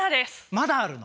まだあるの。